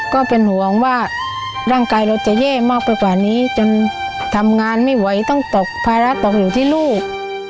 ก็เป็นห่วงว่าร่างกายเราจะแย่มากไปกว่านี้จนทำงานไม่ไหวต้องตกภาระตกอยู่ที่ลูก